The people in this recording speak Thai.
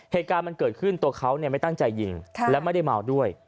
เหตุการณ์มันเกิดขึ้นตัวเขาไม่ตั้งใจยิงและไม่ได้เมาด้วย